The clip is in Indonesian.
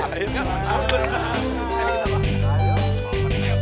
ayo untung baja masuk